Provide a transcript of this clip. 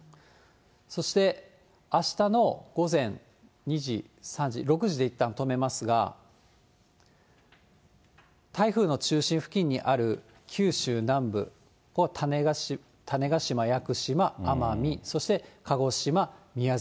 そして、あしたの午前２時、３時、６時でいったん止めますが、台風の中心付近にある九州南部、ここは種子島・屋久島、奄美、そして鹿児島、宮崎。